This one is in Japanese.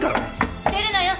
知ってるのよ